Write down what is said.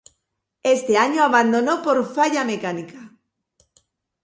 Ese año abandonó por falla mecánica.